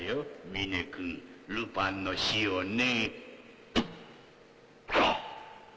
峰君ルパンの死をね。